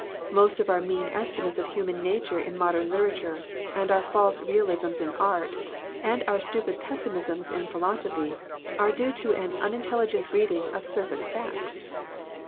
Most of our mean estimates of human nature in modem lit erature, and our false realisms in art, and our stupid pessimisms in philosophy, are due to an unintelligent reading of surface facts.